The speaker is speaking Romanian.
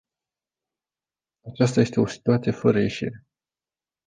Aceasta este o situație fără ieșire.